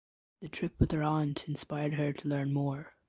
The trip with her Aunt inspired her to learn more.